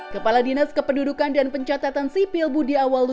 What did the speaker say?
kepala dinas kependudukan dan pencatatan sipil budi awalu